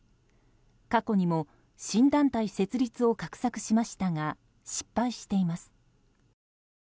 過去にも新団体設立を画策しましたが失敗しています。